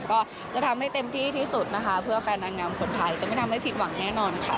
ก็จะทำให้เต็มที่ที่สุดนะคะเพื่อแฟนนางงามคนไทยจะไม่ทำให้ผิดหวังแน่นอนค่ะ